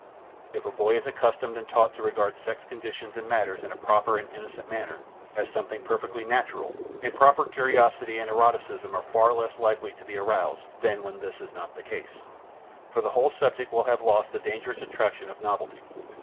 If a boy is accustomed and taught to regard sex conditions and matters in a proper and innocent manner, as something perfectly natural, improper curiosity and eroticism are far less likely to be aroused than when this is not the case. For the whole subject will have lost the dangerous attraction of novelty.